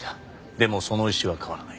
でもその意志は変わらない。